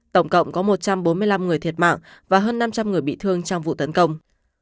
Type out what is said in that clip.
tổng cộng có một trăm bốn mươi năm người thiệt mạng và hơn năm trăm linh người bị thương trong vụ tấn công